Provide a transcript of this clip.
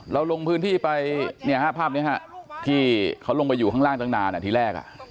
เราลงพื้นที่ไปเนี่ยฮะภาพนี้ฮะที่เขาลงไปอยู่ข้างล่างจังงนานอ่ะทีแรกอ่ะ